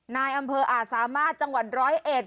นายอำเภออาจสามารถจังหวัดร้อยเอ็ด